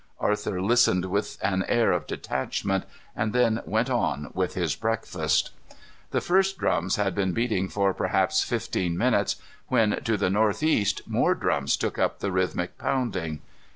Arthur listened with an air of detachment, and then went on with his breakfast. The first drums had been beating for perhaps fifteen minutes when, to the northeast, more drums took up the rhythmic pounding.